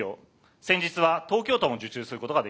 先日は東京都も受注することができました。